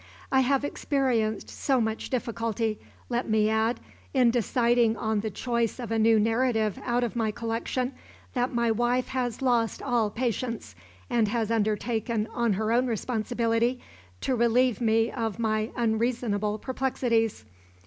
I have experienced so much difficulty, let me add, in deciding on the choice of a new narrative out of my collection, that my wife has lost all patience, and has undertaken, on her own responsibility, to relieve me of my unreasonable perplexities.